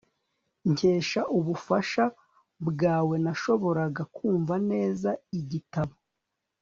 nkesha ubufasha bwawe, nashoboraga kumva neza igitabo